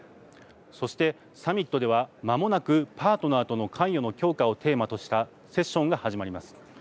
そしてサミットではまもなくパートナーとの関与の強化をテーマとしたセッションが始まります。